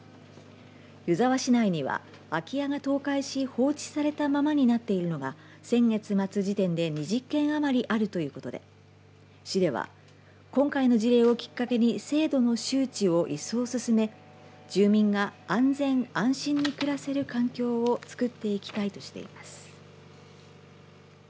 湯沢市内には空き家が倒壊し放置されたままになっているのが先月末時点で２０件余りあるということで市では今回の事例をきっかけに制度の周知を一層、進め住民が安全・安心で暮らせる環境を作っていきたいとしています。